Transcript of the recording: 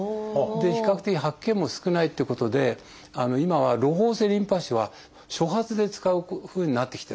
比較的吐き気も少ないっていうことで今はろほう性リンパ腫は初発で使うふうになってきてるんです。